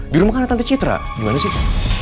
di rumah kan ada tante citra gimana sih